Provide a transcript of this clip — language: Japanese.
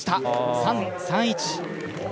３．３１。